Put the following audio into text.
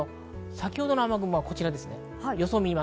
先ほどの雨雲はこちらです。